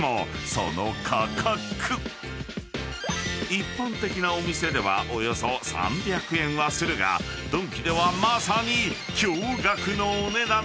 ［一般的なお店ではおよそ３００円はするがドンキではまさに］